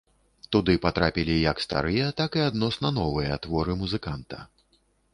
Туды патрапілі як старыя так і адносна новыя творы музыканта.